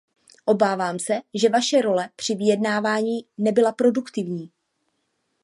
Obávám se, že vaše role při vyjednávání nebyla produktivní.